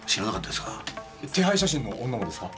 手配写真の女もですか？